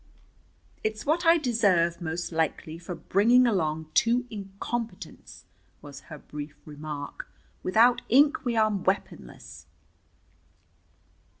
"It's what I deserve, most likely, for bringing along two incompetents," was her brief remark. "Without ink we are weaponless."